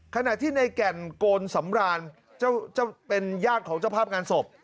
ขณะที่ในแก่นโกนสำรานเป็นญาติของเจ้าภาพงานศพ